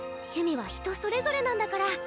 趣味は人それぞれなんだから。